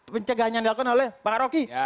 pencegahannya dianggap oleh pak rocky